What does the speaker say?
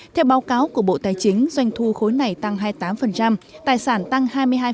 theo báo cáo của bộ tài chính doanh thu khối này tăng hai mươi tám tài sản tăng hai mươi hai